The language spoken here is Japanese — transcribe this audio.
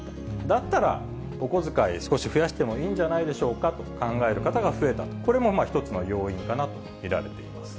だったら、お小遣い、少し増やしてもいいんじゃないでしょうかと考える方が増えたと、これも一つの要因かなと見られています。